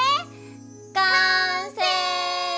完成！